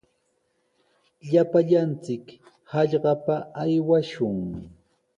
Llapallanchik hallpapa aywashun.